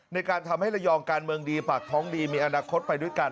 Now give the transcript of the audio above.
ในการทำให้ระยองการเมืองดีปากท้องดีมีอนาคตไปด้วยกัน